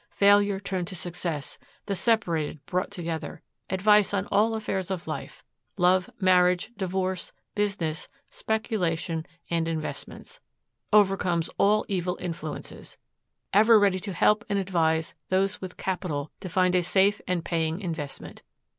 Failure turned to success, the separated brought together, advice on all affairs of life, love, marriage, divorce, business, speculation, and investments. Overcomes all evil influences. Ever ready to help and advise those with capital to find a safe and paying investment.